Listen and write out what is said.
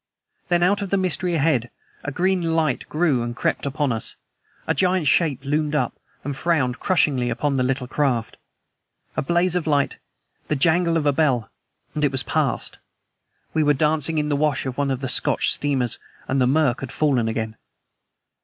Then, out of the mystery ahead, a green light grew and crept down upon us. A giant shape loomed up, and frowned crushingly upon the little craft. A blaze of light, the jangle of a bell, and it was past. We were dancing in the wash of one of the Scotch steamers, and the murk had fallen again.